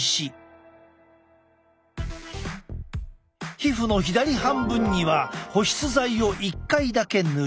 皮膚の左半分には保湿剤を１回だけ塗る。